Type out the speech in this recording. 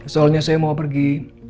soalnya saya mau pergi